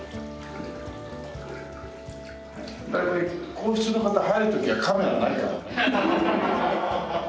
皇室の方入る時はカメラないからね。